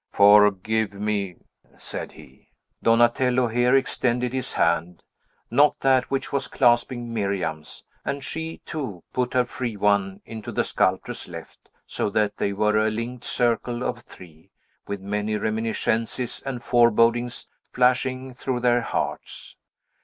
"Forgive me!" said he. Donatello here extended his hand, not that which was clasping Miriam's, and she, too, put her free one into the sculptor's left; so that they were a linked circle of three, with many reminiscences and forebodings flashing through their hearts.